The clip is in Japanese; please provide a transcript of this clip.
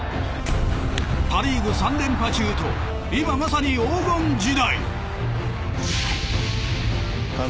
パ・リーグ３連覇中と今まさに黄金時代。